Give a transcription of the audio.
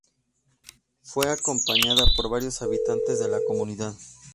Fue acompañado por varios habitantes de la comunidad.